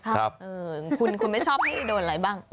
คุณไม่ชอบให้โดนอะไรบ้าง